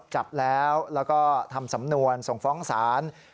จับแล้วแล้วก็ทำสำนวนส่งฟ้องศาล